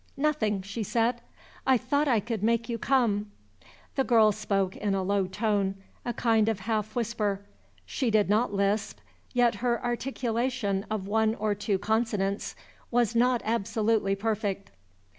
"Nothing," she said. "I thought I could make you come." The girl spoke in a low tone, a kind of half whisper. She did not lisp, yet her articulation of one or two consonants was not absolutely perfect.